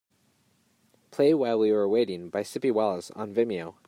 Play While We Were Waiting by Sippie Wallace on Vimeo